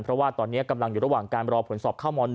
เพราะว่าตอนนี้กำลังอยู่ระหว่างการรอผลสอบเข้าม๑